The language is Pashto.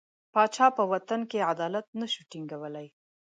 پاچا په وطن کې عدالت نه شو ټینګولای.